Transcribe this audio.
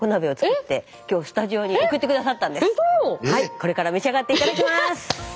これから召し上がっていただきます！